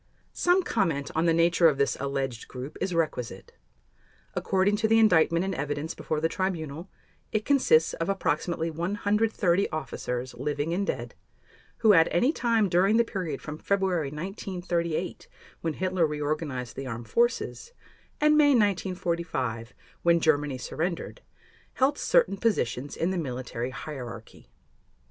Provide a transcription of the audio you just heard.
Some comment on the nature of this alleged group is requisite. According to the Indictment and evidence before the Tribunal, it consists of approximately 130 officers, living and dead, who at any time during the period from February 1938, when Hitler reorganized the Armed Forces, and May 1945, when Germany surrendered, held certain positions in the military hierarchy.